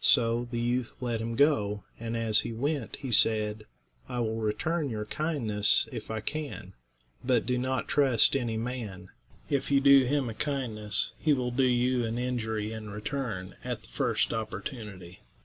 So the youth let him go; and as he went he said, "I will return your kindness if I can, but do not trust any man; if you do him a kindness he will do you an injury in return at the first opportunity."